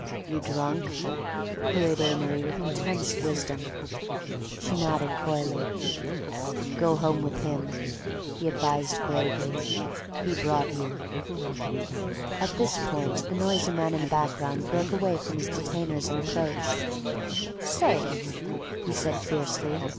"You drunk?" queried Amory with intense wisdom. She nodded coyly. "Go home with him," he advised gravely. "He brought you." At this point the noisy man in the background broke away from his detainers and approached. "Say!" he said fiercely.